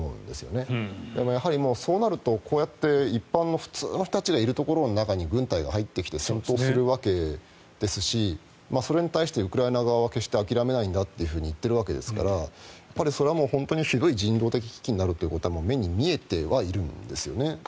でもやはり、そうなるとこうやって一般の普通の人たちがいる中に軍隊が入ってきて戦闘するわけですしそれに対してウクライナ側は決して諦めないんだと言っているわけですからそれはもう本当にひどい人道的危機になるということは目に見えてはいるんですよね。